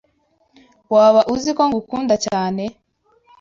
Waba uziko ngukunda cyane?